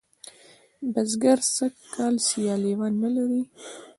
بزگر سږ کال سیاليوان نه لري.